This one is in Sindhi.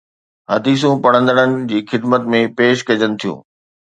حديثون پڙهندڙن جي خدمت ۾ پيش ڪجن ٿيون